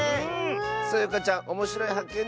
そよかちゃんおもしろいはっけん